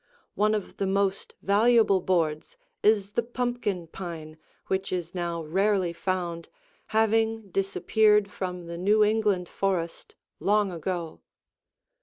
One of the most valuable boards is the pumpkin pine which is now rarely found, having disappeared from the New England forest long ago.